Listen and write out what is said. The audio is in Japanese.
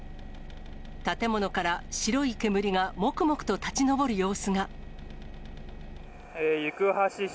建物から白い煙がもくもくと立ち行橋市